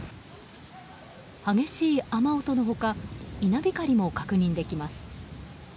激しい雨音の他稲光も確認できます。